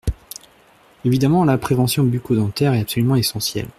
Évidemment, la prévention bucco-dentaire est absolument essentielle.